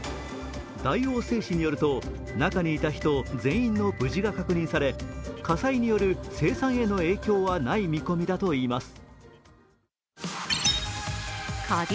大王製紙によると、中にいた人全員の無事が確認され火災による生産への影響はない見込みだといいます。